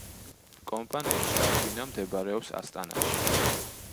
კომპანიის შტაბ-ბინა მდებარეობს ასტანაში.